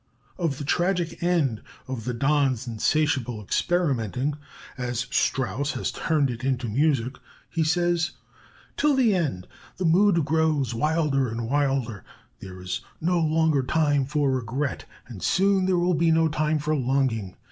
Of the tragic end of the Don's insatiable experimenting as Strauss has turned it into music he says: "Till the end the mood grows wilder and wilder. There is no longer time for regret, and soon there will be no time for longing.